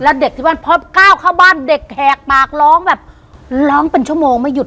แล้วเด็กที่บ้านพอก้าวเข้าบ้านเด็กแหกปากร้องแบบร้องเป็นชั่วโมงไม่หุ